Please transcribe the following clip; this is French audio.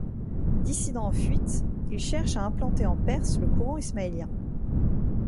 Dissident en fuite, il cherche à implanter en Perse le courant ismaélien.